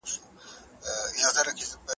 نه فریاد یې له ستړیا سو چاته کړلای